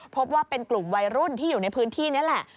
พบว่าเป็นกลุ่มวัยรุ่นที่อยู่ในพื้นที่นี่แหละ